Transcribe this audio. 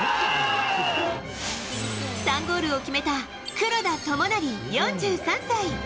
３ゴールを決めた黒田智成、４３歳。